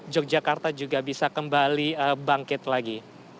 yogyakarta juga bisa kembali bangkit lagi